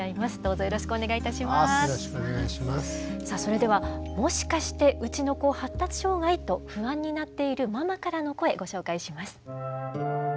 さあそれではもしかしてうちの子発達障害？と不安になっているママからの声ご紹介します。